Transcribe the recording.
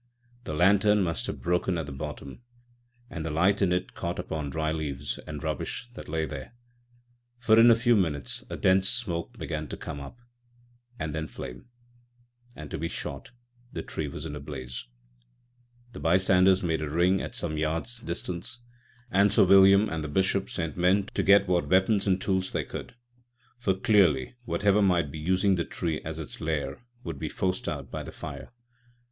The lantern must have broken at the bottom, and the light in it caught on dry leaves and rubbish that lay there, for in a few minutes a dense smoke began to come up, and then flame; and, to be short, the tree was in a blaze. The bystanders made a ring at some yards' distance, and Sir William and the Bishop sent men to get what weapons and tools they could; for, clearly, whatever might be using the tree as its lair would be forced out by the fire.